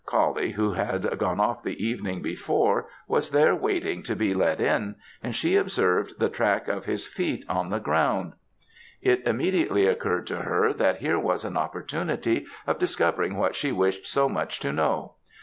Coullie, who had gone off the evening before, was there waiting to be let in, and she observed the track of his feet on the ground. It immediately occurred to her that here was an opportunity of discovering what she wished so much to know.